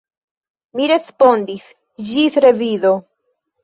Mi respondis: «Ĝis revido! »